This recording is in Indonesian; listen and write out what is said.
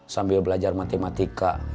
sambil belajar matematika